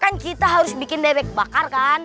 kan kita harus bikin bebek bakar kan